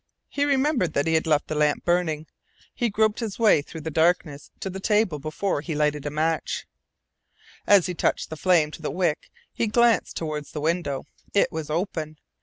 He remembered that he had left the lamp burning. He groped his way through the darkness to the table before he lighted a match. As he touched the flame to the wick he glanced toward the window. It was open.